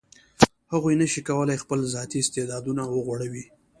هغه نشي کولای خپل ذاتي استعدادونه وغوړوي.